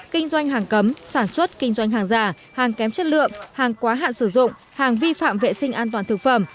kinh doanh hàng cấm sản xuất kinh doanh hàng giả hàng kém chất lượng hàng quá hạn sử dụng hàng vi phạm vệ sinh an toàn thực phẩm